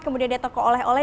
kemudian ada toko oleh oleh